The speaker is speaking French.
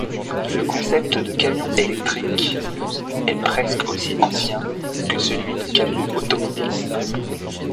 Le concept de camion électrique est presque aussi ancien que celui de camion automobile.